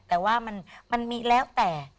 แต่ว่ามันมีแล้วแต่